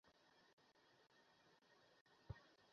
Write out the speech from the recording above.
এলোমেলো গোটাকতক টব, তাতে গাছ নেই।